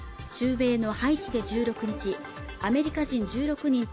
米のハイチで１６日アメリカ人１６人と